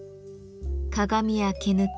鏡や毛抜き